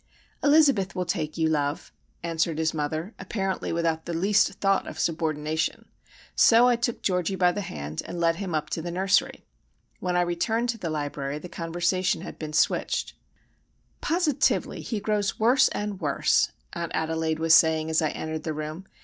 "Elizabeth will take you, love," answered his mother, apparently without the least thought of "subordination." So I took Georgie by the hand and led him up to the nursery. When I returned to the library the conversation had been switched: "Positively, he grows worse and worse," Aunt Adelaide was saying as I entered the room.